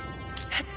えっ？